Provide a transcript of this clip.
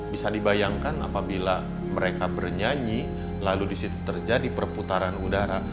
bisa dibayangkan apabila mereka bernyanyi lalu di situ terjadi perputaran udara